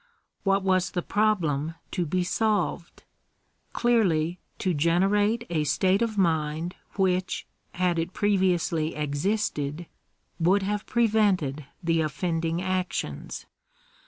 What was the problem to be solved? Clearly to generate a state of mind which had it previously existed would have prevented the offending actions.